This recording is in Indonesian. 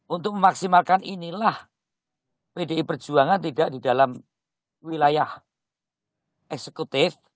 untuk memaksimalkan inilah pdi perjuangan tidak di dalam wilayah eksekutif